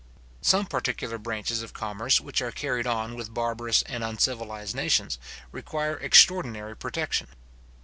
Some particular branches of commerce which are carried on with barbarous and uncivilized nations, require extraordinary protection.